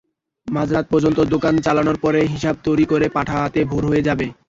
মাঝরাত পর্যন্ত দোকান চালানোর পরে হিসাব তৈরি করে পাঠাতে ভোর হয়ে যাবে।